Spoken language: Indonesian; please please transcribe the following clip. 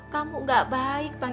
kamu gak baik panggil yaman aja